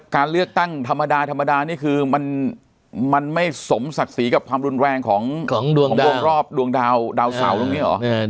การเลือกตั้งธรรมดาธรรมดานี่คือมันไม่สมศักดิ์ศรีกับความรุนแรงของดวงรอบดวงดาวเสาตรงนี้เหรอ